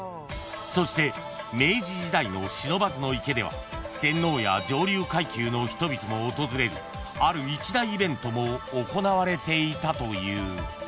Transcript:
［そして明治時代の不忍池では天皇や上流階級の人々も訪れるある一大イベントも行われていたという］